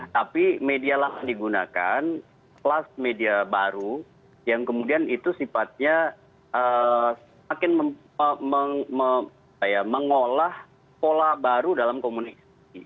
tapi media lama digunakan plus media baru yang kemudian itu sifatnya semakin mengolah pola baru dalam komunikasi